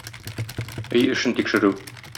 Өй эшен тикшерү.